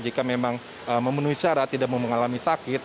jika memang memenuhi syarat tidak mau mengalami sakit